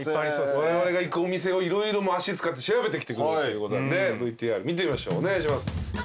われわれが行くお店を色々足使って調べてきてくれたっていうことなんでＶＴＲ見てみましょうお願いします。